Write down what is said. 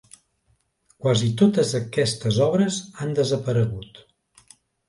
Quasi totes aquestes obres han desaparegut.